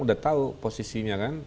sudah tahu posisinya kan